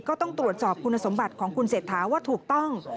ก็ต้องตรวจสอบคุณสมบัติของคุณเศรษฐาว่าถูกต้อง